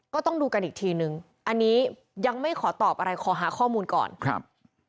ก็ต้องดูกันอีกทีนึงอันนี้ยังไม่ขอตอบอะไรขอหาข้อมูลก่อนครับ